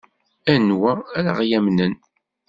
Anwa ara ɣ-yamnen?